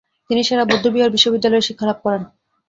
তিনি সেরা বৌদ্ধবিহার বিশ্ববিদ্যালয়ে শিক্ষালাভ করেন।